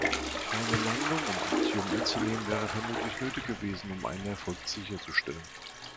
Eine Landung, um Actium einzunehmen, wäre vermutlich nötig gewesen, um einen Erfolg sicherzustellen.